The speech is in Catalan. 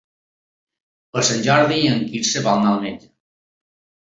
Per Sant Jordi en Quirze vol anar al metge.